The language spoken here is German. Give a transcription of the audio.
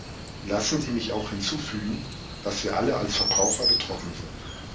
Lassen Sie mich auch hinzufügen, dass wir alle als Verbraucher betroffen sind.